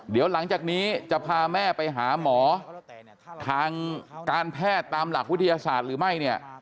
เดี๋ยวหลังจากนี้จะพาแม่ไปหาหมอทางการแพทย์ตามหลักวิทยาศาสตร์หรือไม่เนี่ย